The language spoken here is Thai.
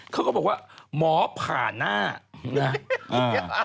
เขาก็บอกว่าหมอผ่าน่า